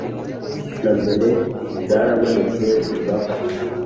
Na mbere byarabonetse ,bibaho